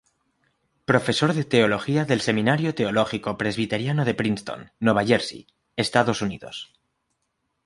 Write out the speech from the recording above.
Profesor de Teología del Seminario Teológico Presbiteriano de Princeton, Nueva Jersey, Estados Unidos.